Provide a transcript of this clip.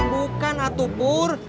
bukan atu pur